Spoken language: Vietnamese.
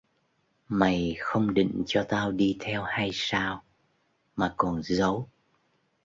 Mày không định cho tao đi theo hay sao mà còn giấu